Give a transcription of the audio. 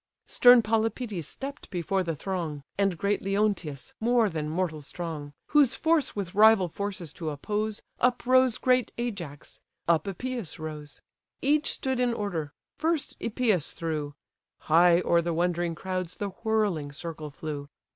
Stern Polypœtes stepp'd before the throng, And great Leonteus, more than mortal strong; Whose force with rival forces to oppose, Uprose great Ajax; up Epeus rose. Each stood in order: first Epeus threw; High o'er the wondering crowds the whirling circle flew.